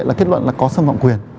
là kết luận là có sân vọng quyền